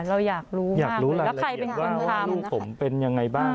เราอยากรู้มากเลยแล้วใครเป็นคนทำอยากรู้รายละเอียดว่าว่าลูกผมเป็นอย่างไรบ้าง